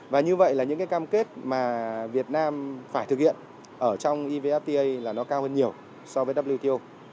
và như vậy là những cái cam kết mà việt nam phải thực hiện ở trong evfta là nó cao hơn nhiều so với wto